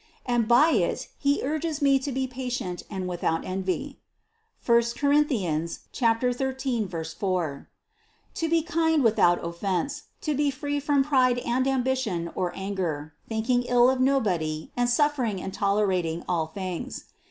And by it He urges me to be patient and without envy (I Cor. 13, 4), to be kind with out offense, to be free from pride and ambition or anger, thinking ill of nobody and suffering and tolerating all things.